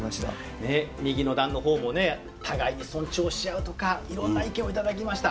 右の段の方もね「互いに尊重し合う」とかいろんな意見を頂きました。